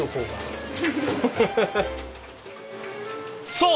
そう！